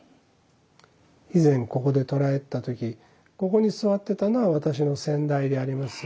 以前ここで撮られた時ここに座ってたのは私の先代であります